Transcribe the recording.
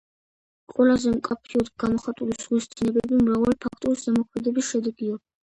ყველაზე მკაფიოდ გამოხატული ზღვის დინებები მრავალი ფაქტორის ზემოქმედების შედეგია.